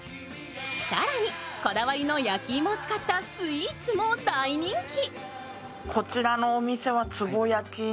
更にこだわりの焼き芋を使ったスイーツも大人気。